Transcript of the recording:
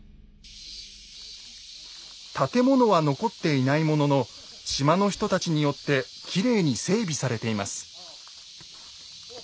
建物は残っていないものの島の人たちによってきれいに整備されています。